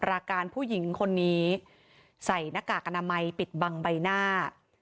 ราการผู้หญิงคนนี้ใส่หน้ากากอนามัยปิดบังใบหน้า